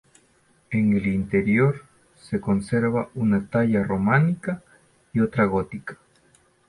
En el interior se conserva una talla románica y otra gótica.